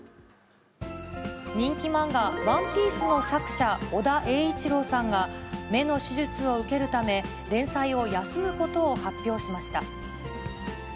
人気漫画、ＯＮＥＰＩＥＣＥの作者、尾田栄一郎さんが、目の手術を受けるため、連載を休むことを発表しました。